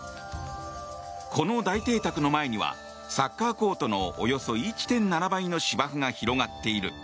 この大邸宅の前にはサッカーコートのおよそ１．７倍の芝生が広がっている。